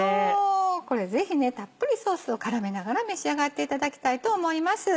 これぜひねたっぷりソースを絡めながら召し上がっていただきたいと思います。